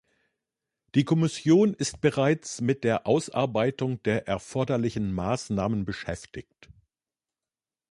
Die Kommission ist bereits mit der Ausarbeitung der erforderlichen Maßnahmen beschäftigt.